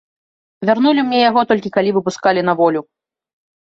Вярнулі мне яго, толькі калі выпускалі на волю.